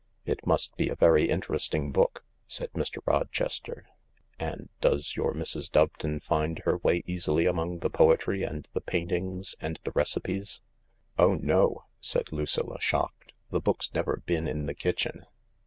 " It must be a very interesting book," said Mr. Roches ter. "And does your Mrs. Doveton find her way easily among the poetry and the paintings and the recipes ?"" Oh no I " said Lucilla, shocked, " The book's never been in the kitchen.